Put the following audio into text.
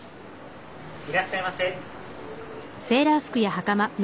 ・いらっしゃいませ。